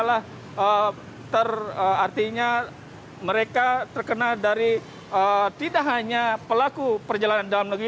adalah artinya mereka terkena dari tidak hanya pelaku perjalanan dalam negeri